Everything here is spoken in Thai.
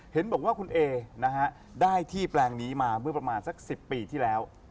เห็นบอกว่าคุณเอนะฮะได้ที่แปลงนี้มาเมื่อประมาณสัก๑๐ปีที่แล้ว